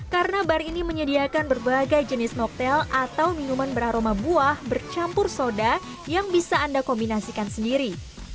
karena bar ini menyediakan berbagai jenis noktel atau minuman beraroma buah bercampur soda yang bisa anda kombinasikan sendiri